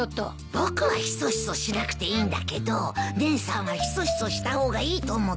僕はひそひそしなくていいんだけど姉さんはひそひそした方がいいと思って。